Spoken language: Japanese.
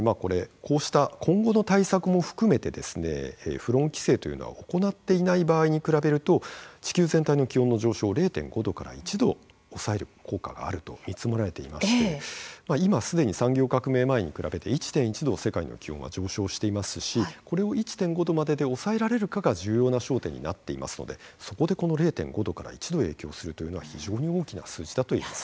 フロン規制というのは行っていない場合に比べると地球全体の気温の上昇を０．５℃から１℃抑える効果があると見積もられていまして今既に産業革命前に比べて１．１℃世界の気温は上昇していますしこれを１．５℃までで抑えられるかが重要な焦点になっていますのでそこでこの０．５℃から１℃影響するというのは非常に大きな数字だと言えます。